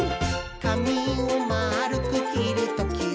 「かみをまるくきるときは、」